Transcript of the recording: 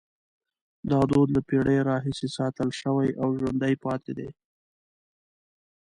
دا دود له پیړیو راهیسې ساتل شوی او ژوندی پاتې دی.